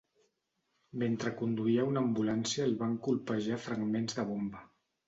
Mentre conduïa una ambulància el van colpejar fragments de bomba.